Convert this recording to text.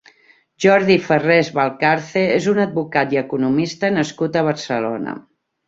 Jordi Ferrés Valcarce és un advocat i economista nascut a Barcelona.